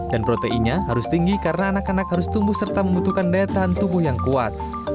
dan proteinnya harus tinggi karena anak anak harus tumbuh serta membutuhkan daya tahan tubuh yang kuat